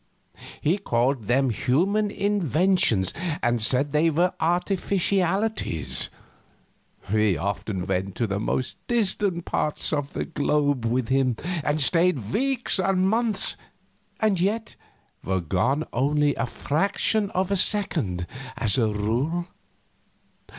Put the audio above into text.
He called them human inventions, and said they were artificialities. We often went to the most distant parts of the globe with him, and stayed weeks and months, and yet were gone only a fraction of a second, as a rule.